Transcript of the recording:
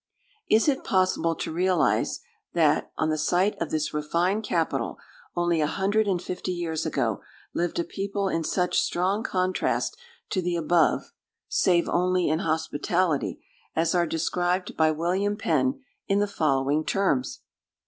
Is it possible to realize, that, on the site of this refined capital, only a hundred and fifty years ago, lived a people in such strong contrast to the above, (save only in hospitality,) as are described by William Penn in the following terms!